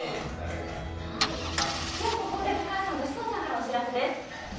ここで高橋さんと志尊さんからお知らせです。